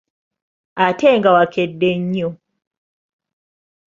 Ate nga wakedde nnyo?